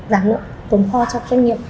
giảm lượng tốn kho cho doanh nghiệp